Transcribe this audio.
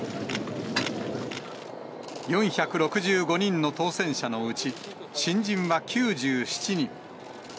４６５人の当選者のうち、新人は９７人。